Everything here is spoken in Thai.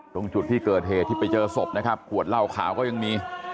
ตรงจุดที่เกิดเหตุที่ไปเจอศพนะครับขวดเหล้าขาวก็ยังมี